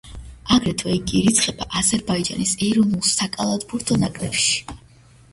აგრეთვე იგი ირიცხება აზერბაიჯანის ეროვნულ საკალათბურთო ნაკრებში.